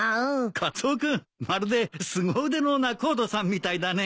カツオ君まるですご腕の仲人さんみたいだね。